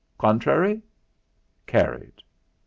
Contrary? Carried."